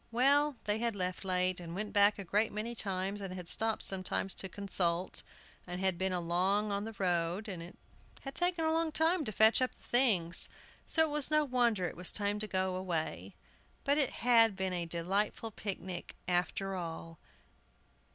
Well, they had left late, and went back a great many times, had stopped sometimes to consult, and had been long on the road, and it had taken a long time to fetch up the things, so it was no wonder it was time to go away. But it had been a delightful picnic, after all.